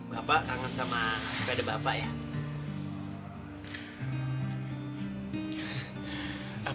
bapak kangen sama sepeda bapak ya